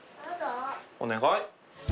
お願い。